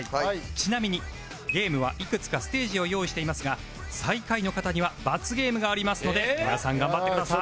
ちなみにゲームはいくつかステージを用意していますが最下位の方には罰ゲームがありますので皆さん頑張ってください